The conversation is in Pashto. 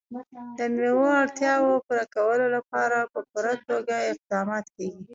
د مېوو د اړتیاوو پوره کولو لپاره په پوره توګه اقدامات کېږي.